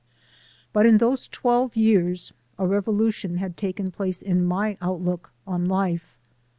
But in those twelve years a revolution had taken place in my outlook on life.